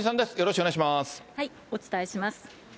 お伝えします。